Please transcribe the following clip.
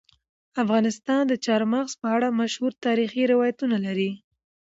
افغانستان د چار مغز په اړه مشهور تاریخي روایتونه لري.